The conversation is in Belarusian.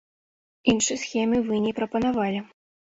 Іншы схемы вы не прапанавалі.